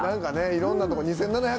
いろんなとこ２７００